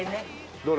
どれ？